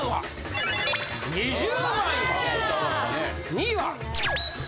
２位は。